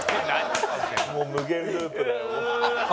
もう無限ループだよ。